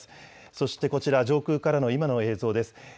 そしてこちら、上空からの今の映像です。